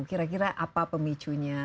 kira kira apa pemicunya